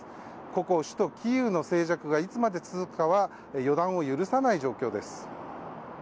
ここ首都キーウの静寂がいつまで続くかは予断を許さない状況です。